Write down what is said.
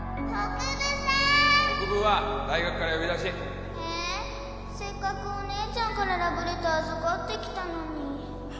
国府は大学から呼び出しせっかくお姉ちゃんからラブレター預かってきたのに